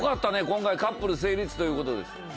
今回カップル成立という事です。